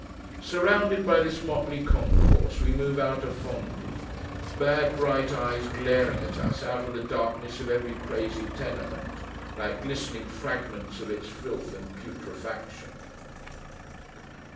Surrounded by this motley concourse, we move out of Fondi: bad bright eyes glaring at us, out of the darkness of every crazy tenement, like glistening fragments of its filth and putrefaction.